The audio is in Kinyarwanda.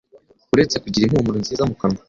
uretse kugira impumuro nziza mu kanwa